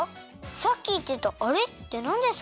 さっきいってたあれってなんですか？